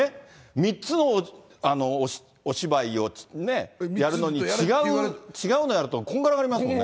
３つのお芝居をやるのに違うのやるとこんがらがりますもんね。